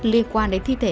liên quan đến thi thể